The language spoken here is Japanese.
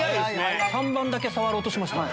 ３番だけ触ろうとしましたね。